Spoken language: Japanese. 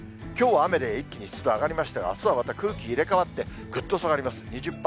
きょうは雨で一気に湿度上がりましたが、あすはまた空気入れ代わって、ぐっと下がります。